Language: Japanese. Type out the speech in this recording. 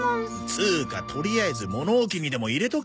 つーかとりあえず物置にでも入れとけよ。